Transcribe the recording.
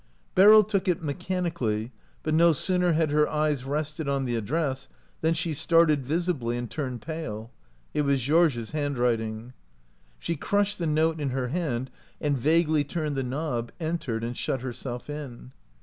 Beryl took it mechanically, but no sooner had her eyes rested on the address than she started visibly, and turned pale. It was Georges' handwriting. She crushed the note in her hand, and vaguely turned the knob, entered, and shut herself in.